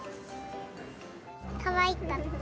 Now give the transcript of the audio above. かわいかった。